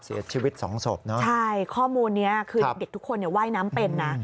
เสียชีวิตสองศพใช่ข้อมูลนี้คือเด็กทุกคนไหว้น้ำเป็นนะ